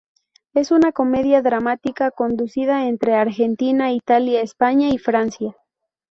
Es una comedia dramática coproducida entre Argentina, Italia, España y Francia.